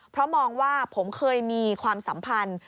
เพราะมองว่าผมเคยมีความสัมพันธ์